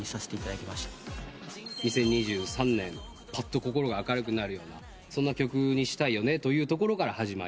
２０２３年ぱっと心が明るくなるようなそんな曲にしたいよねというところから始まり。